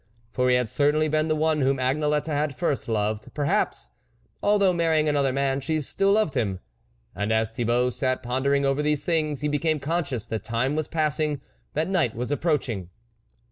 For he had certainly been the one whom Agnelette had first loved ; perhaps, although marry ing another man, she still loved him. And as Thibault sat pondering over these things, he became conscious that time was passing, that night was approaching.